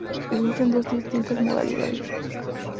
Existen dos distintas modalidades.